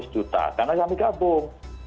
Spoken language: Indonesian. lima ratus juta karena kami gabung